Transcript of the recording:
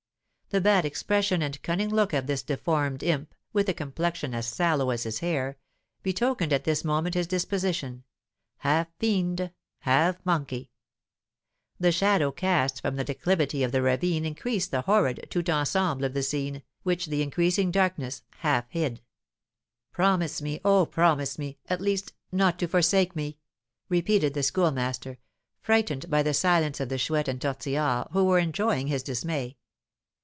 The bad expression and cunning look of this deformed imp, with a complexion as sallow as his hair, betokened at this moment his disposition half fiend, half monkey. The shadow cast from the declivity of the ravine increased the horrid tout ensemble of the scene, which the increasing darkness half hid. "Promise me, oh, promise me at least, not to forsake me!" repeated the Schoolmaster, frightened by the silence of the Chouette and Tortillard, who were enjoying his dismay.